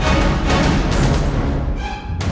sampai jumpa lagi